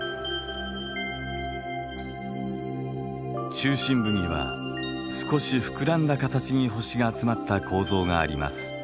中心部には少し膨らんだ形に星が集まった構造があります。